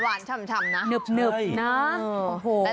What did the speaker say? มันจะหวานชำนะเนิบนะโอ้โฮ